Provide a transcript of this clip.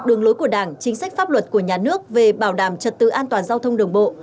đường lối của đảng chính sách pháp luật của nhà nước về bảo đảm trật tự an toàn giao thông đường bộ